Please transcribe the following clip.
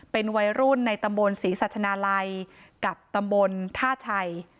เป็นวัยรุ่นในตำบลศรีสัชนาลัยกับตำบลท่าชัย